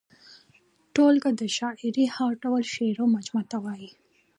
ټولګه د شاعر د هر ډول شعرو مجموعې ته وايي.